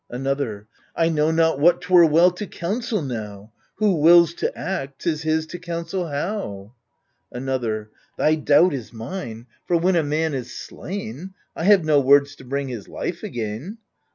Another I know not what 'twere well to counsel now — Who wills to act, 'tis his to counsel how. Another Thy doubt is mine : for when a man is slain, I have no words to bring his life again.